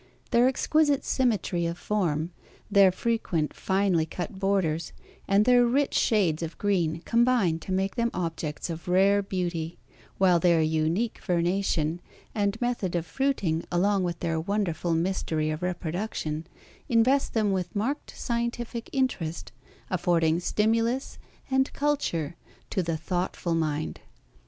Their exquisite symmetry of form, their frequent finely cut borders, and their rich shades of green combine to make them objects of rare beauty; while their unique vernation and method of fruiting along with their wonderful mystery of reproduction invest them with marked scientific interest affording stimulus and culture to the thoughtful mind.